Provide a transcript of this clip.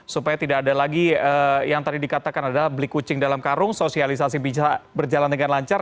supaya tidak ada lagi yang tadi dikatakan adalah beli kucing dalam karung sosialisasi bisa berjalan dengan lancar